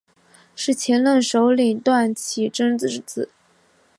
是前任首领段乞珍之子。